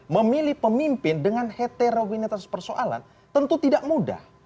memilih pemimpin dengan heterogenitas persoalan tentu tidak mudah